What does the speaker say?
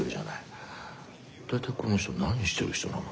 大体この人何してる人なの？